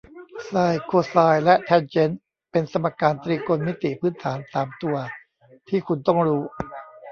ไซน์โคไซน์และแทนเจนต์เป็นสมการตรีโกณมิติพื้นฐานสามตัวที่คุณต้องรู้